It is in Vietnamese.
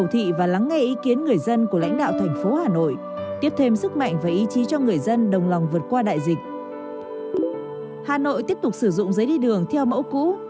hà nội tiếp tục sử dụng giấy đi đường theo mẫu cũ